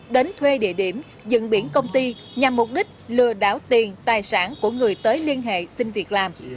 đến thuê địa điểm dựng biển công ty nhằm mục đích lừa đảo tiền tài sản của người tới liên hệ xin việc làm